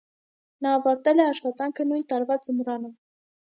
Նա ավարտել է աշխատանքը նույն տարվա ձմռանը։